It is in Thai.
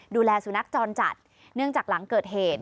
ดูแลสุนัขจรจัดเนื่องจากหลังเกิดเหตุ